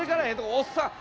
おっさん